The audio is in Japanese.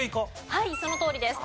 はいそのとおりです。